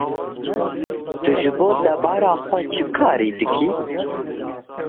Tu ji bo debara xwe çi karî dikî?